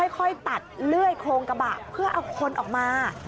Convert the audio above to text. ค่อยตัดเลื่อยโครงกระบะเพื่อเอาคนออกมา